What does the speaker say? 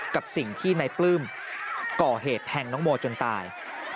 กับสิ่งที่นายปลื้มก่อเหตุแทงน้องโมจนตาย